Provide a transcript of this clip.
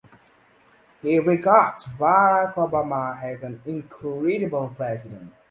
He regards Barack Obama as "an incredible president".